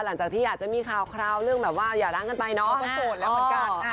หลังจากพี่จะมีคราวเรื่องอย่าร้างกันได้เนอะ